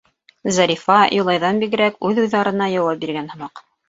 Зарифа Юлайҙан бигерәк үҙ уйҙарына яуап биргән һымаҡ: